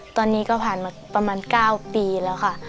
ตอนนี้ก็ผ่านมาประมาณ๙ปีแล้วค่ะ